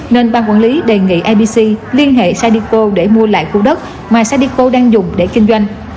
nên bang quản lý đề nghị abc liên hệ sadiko để mua lại khu đất mà sadiko đang dùng để kinh doanh